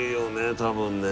多分ね。